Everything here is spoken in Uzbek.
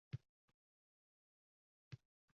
barcha tadbirkorlik subyektlari uchun bir xil bo‘ladi.